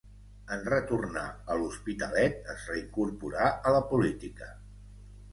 En retornar a l'Hospitalet, es reincorporà a la política.